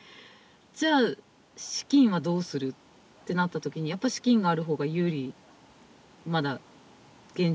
じゃあ資金はどうする？ってなったときにやっぱり資金があるほうが有利まだ現状があるので。